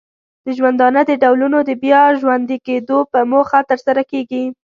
د ژوندانه د ډولونو د بیا ژوندې کیدو په موخه ترسره کیږي.